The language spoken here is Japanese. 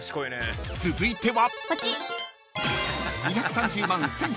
［続いては］